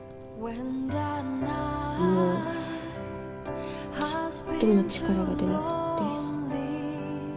もうちっとも力が出なくって。